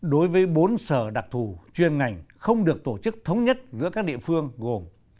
đối với bốn sở đặc thù chuyên ngành không được tổ chức thống nhất giữa các địa phương gồm